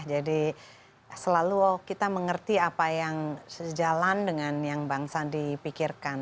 jadi selalu kita mengerti apa yang sejalan dengan yang bang sandi pikirkan